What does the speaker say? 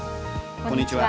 こんにちは。